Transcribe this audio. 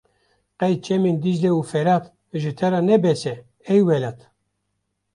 Qey çemên Dîcle û Ferat ji te re ne bes e ey welat.